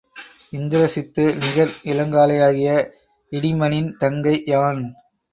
இந்திரசித்து நிகர் இளங்காளையாகிய இடிம்பனின் தங்கை யான்!